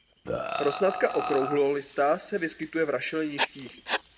Rosnatka okrouhlolistá se vyskytuje v rašeliništích.